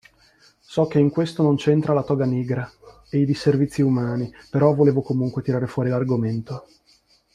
so che in questo non c’entra la Toga Nigra e i disservizi urbani, però volevo comunque tirare fuori l’argomento.